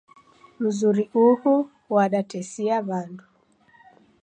Mzuri uhuu wadatesia wandu.